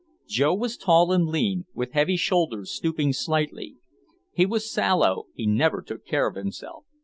Joe was tall and lean, with heavy shoulders stooping slightly. He was sallow, he never took care of himself.